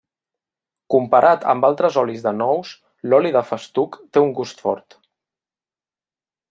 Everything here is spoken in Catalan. Comparat amb altres olis de nous l'oli de festuc té un gust fort.